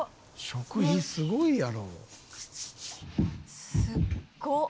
「食事すごいやろ」「すごっ」